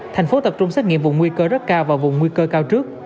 thành phố tập trung xét nghiệm vùng nguy cơ rất cao và vùng nguy cơ cao trước